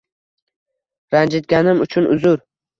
Ranjitganim uchun uzr.